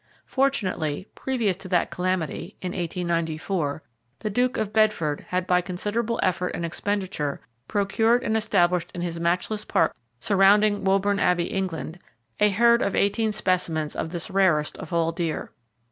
Fortunately, previous to that calamity (in 1894), the Duke of Bedford had by considerable effort and expenditure procured and established in his matchless park surrounding Woburn Abbey, England, a herd of eighteen specimens of this rarest of all deer.